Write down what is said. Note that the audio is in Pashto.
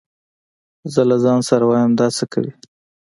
زه له ځان سره وايم دا څه کوي.